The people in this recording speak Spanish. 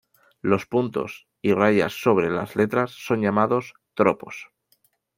Los puntos y rayas sobre las letras son llamados tropos.